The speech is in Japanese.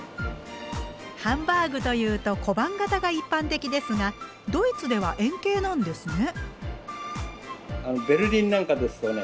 ハンバーグというと小判形が一般的ですがドイツでは円形なんですね。